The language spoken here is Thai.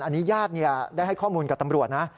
อันนี้ญาติได้ให้ข้อมูลกับตำรวจนะ